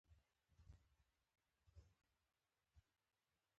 په داسې حال کې چې اخیستونکي ورځ تر بلې کمېږي